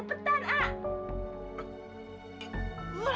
udah bagus gue kasih makan